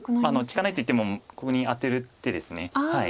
利かないと言ってもここにアテる手です。